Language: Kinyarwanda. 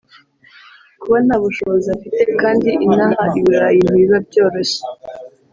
kuba nta bushobozi afite kandi inaha i Burayi ntibiba byoroshye